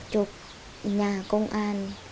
chụp nhà công an